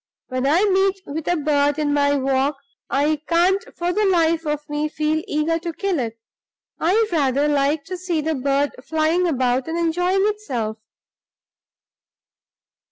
When I meet with a bird in my walk, I can't for the life of me feel eager to kill it; I rather like to see the bird flying about and enjoying itself.